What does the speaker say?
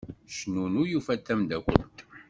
Cnunnu yufa-d tamdakelt.